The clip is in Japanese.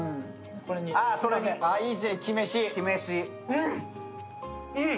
うん、いい！